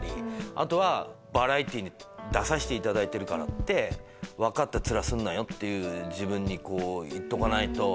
あとはバラエティーに出させていただいてるからって分かった面すんなよ！って自分に言っとかないと。